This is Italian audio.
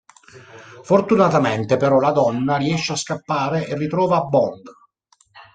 Fortunatamente però la donna riesce a scappare e ritrova Bond.